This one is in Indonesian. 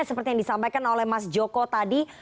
seperti yang disampaikan oleh mas joko tadi